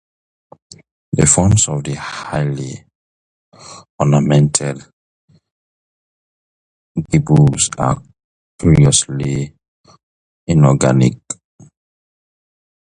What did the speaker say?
The forms of the highly ornamented gables are curiously inorganic.